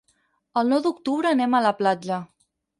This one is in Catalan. El nou d'octubre anem a la platja.